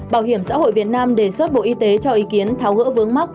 bảo hiểm xã hội việt nam đề xuất bộ y tế cho ý kiến tháo gỡ vướng mắt